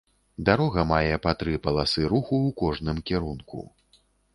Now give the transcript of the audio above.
Дарога мае па тры паласы руху у кожным кірунку.